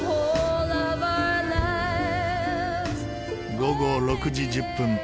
午後６時１０分。